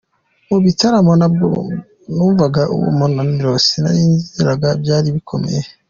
Mu bitaramo ntabwo numvaga uwo munaniro, sinasinziraga, byari bikomeye…”.